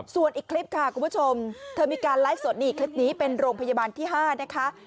ส่วนอีกคลิปค่ะคุณผู้ชมเธอมีการไลฟ์สดนี่คลิปนี้เป็นโรงพยาบาลที่๕นะคะ